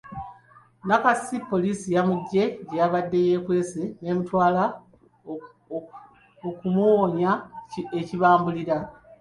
Nakasi poliisi yamuggye gye yabadde yeekwese n’emutwala okumuwonya ekibambulira.